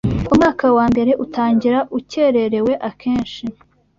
umwaka wambere utangira ukererewe akenshyi